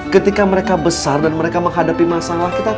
ketika mereka besar dan mereka menghadapi masalah kita